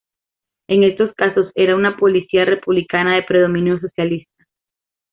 En estos casos era una policía republicana de predominio socialista.